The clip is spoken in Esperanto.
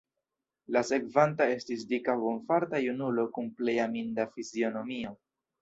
La sekvanta estis dika bonfarta junulo, kun plej aminda fizionomio.